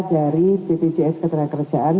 dari ppjs ketenagakerjaan